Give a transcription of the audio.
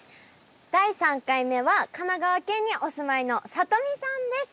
第３回目は神奈川県にお住まいのさとみさんです。